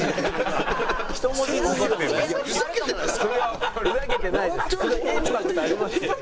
すごいインパクトありますよ」。